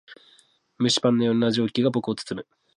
蒸しパンのような熱気が僕を包む。